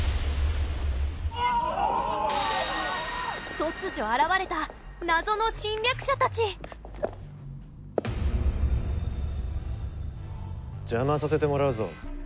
突如現れた謎の侵略者たちじゃまさせてもらうぞ。